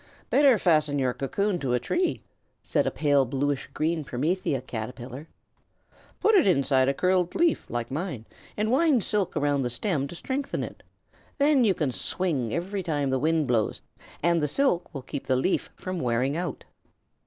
"Better fasten your cocoon to a tree," said a pale bluish green Promethea Caterpillar. "Put it inside a curled leaf, like mine, and wind silk around the stem to strengthen it. Then you can swing every time the wind blows, and the silk will keep the leaf from wearing out."